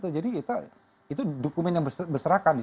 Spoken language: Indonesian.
jadi itu dokumen yang berserakan